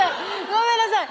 ごめんなさい！